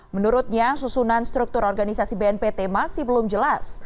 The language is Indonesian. menurutnya susunan struktur organisasi bnpt masih belum jelas